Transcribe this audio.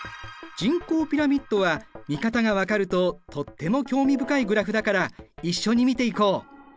人口ピラミッドは見方が分かるととっても興味深いグラフだから一緒に見ていこう！